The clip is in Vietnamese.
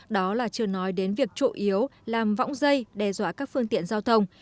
đó là chưa nói đến việc chủ yếu làm võng dây đe dọa các phương tiện giao thông